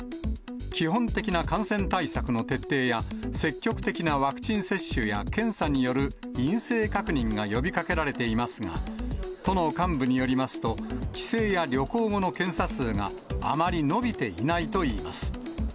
基本的な感染対策の徹底や、積極的なワクチン接種や検査による陰性確認が呼びかけられていますが、都の幹部によりますと、帰省や旅行後の検査数があまり伸びていないといいます。